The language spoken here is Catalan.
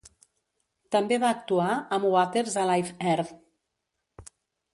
També va actuar amb Waters a Live Earth.